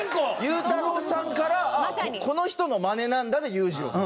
ゆうたろうさんから「この人のマネなんだ」で裕次郎さん。